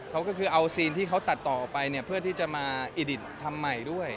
เขาก็คือเอาซีนที่เขาตัดต่อไปเนี่ยเพื่อที่จะมาอิดิตทำใหม่ด้วย